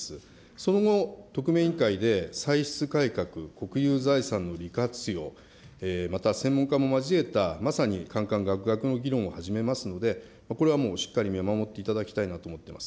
その後、特命委員会で歳出改革、国有財産の利活用、また専門家も交えた、まさにかんかんがくがくの議論を始めますので、これはもうしっかり見守っていただきたいなと思ってます。